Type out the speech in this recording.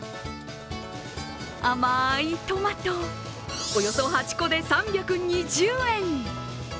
甘いトマト、およそ８個で３２０円。